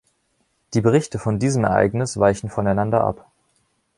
Die Berichte von diesem Ereignis weichen voneinander ab.